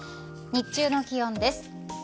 日中の気温です。